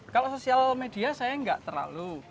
kalau sosial media saya nggak terlalu